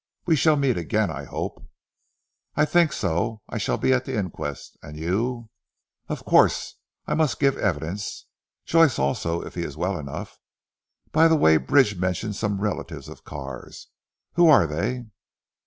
We shall meet again I hope." "I think so. I shall be at the inquest. And you?" "Of course. I must give evidence. Joyce also if he is well enough. By the way Bridge mentioned some relatives of Carr's. Who are they?"